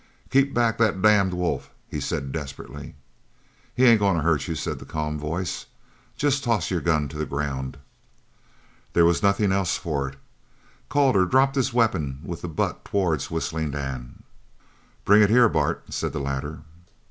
"Keep back that damned wolf," he said desperately. "He ain't goin' to hurt you," said the calm voice. "Jest toss your gun to the ground." There was nothing else for it. Calder dropped his weapon with the butt towards Whistling Dan. "Bring it here, Bart," said the latter.